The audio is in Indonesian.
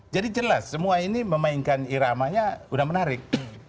jadi jelas semua ini memainkan iramanya sudah menarik